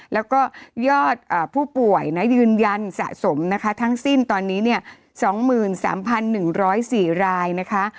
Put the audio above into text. แล้วก็ยอดผู้ป่วยยืนยันสะสมนะคะทั้งสิ้นตอนนี้๒๓๑๐๔รายนะคะ